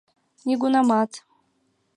— Нигунамат!